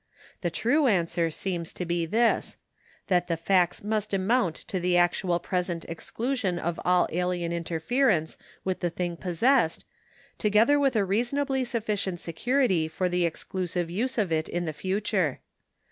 The true answer seems to be this : that the facts must amount to the actual present exclusion of all alien interference with the thing possessed, together with a reasonably sufficient security for the exclusive use of it in the future.